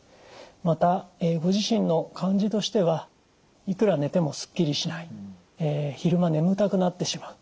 またご自身の感じとしてはいくら寝てもすっきりしない昼間眠たくなってしまう。